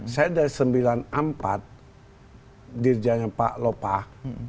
saya dari seribu sembilan ratus sembilan puluh empat dirjanya pak lopah